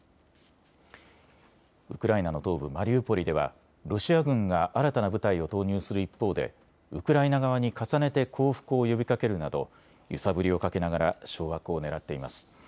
ウクライナの東部マリウポリではロシア軍が新たな部隊を投入する一方でウクライナ側に重ねて降伏を呼びかけるなど揺さぶりをかけながら掌握をねらっています。